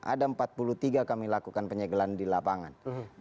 ada empat puluh tiga kami lakukan penyegelan di lapangan